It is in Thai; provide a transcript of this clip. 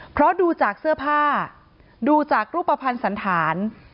เพราะดูจากเสื้อผ้าดูจากรูปภัณฑ์สันธาร